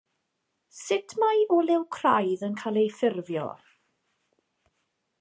Sut mae olew craidd yn cael ei ffurfio?